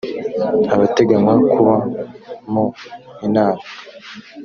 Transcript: abateganywa kuba mu inama